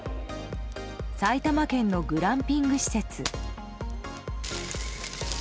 埼玉県のグランピング施設。